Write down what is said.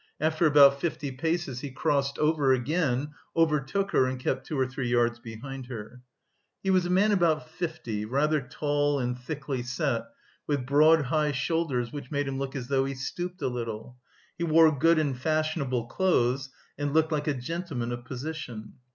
After about fifty paces he crossed over again, overtook her and kept two or three yards behind her. He was a man about fifty, rather tall and thickly set, with broad high shoulders which made him look as though he stooped a little. He wore good and fashionable clothes, and looked like a gentleman of position.